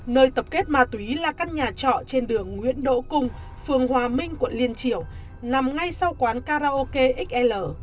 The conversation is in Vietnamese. nơi tập kết ma túy là căn nhà trọ trên đường nguyễn đỗ cung phường hòa minh quận liên triều nằm ngay sau quán karaoke xl